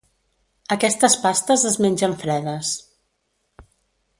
Aquestes pastes es mengen fredes.